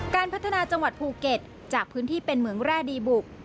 การพัฒนาจังหวัดภูเก็ตจากพื้นที่เป็นเหมืองแร่ดีบุก